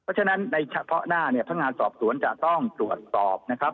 เพราะฉะนั้นในเฉพาะหน้าเนี่ยพนักงานสอบสวนจะต้องตรวจสอบนะครับ